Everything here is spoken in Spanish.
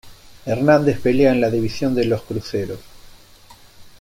Hernández pelea en la división de los cruceros.